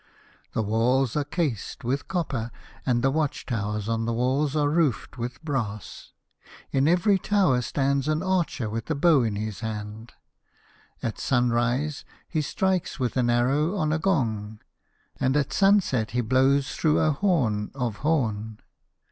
The walls are cased with copper, and the watch towers on the walls are roofed with brass. In every tower stands an archer with a bow in his hand. At sun rise he strikes with an arrow on a gong, and at sunset he blows through a horn of horn.